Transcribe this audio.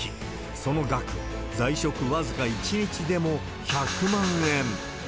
その額、在職僅か１日でも１００万円。